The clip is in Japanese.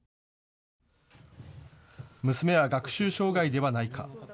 娘は学習障害ではないか。